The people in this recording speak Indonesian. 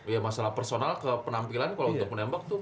iya masalah personal ke penampilan kalau untuk menembak tuh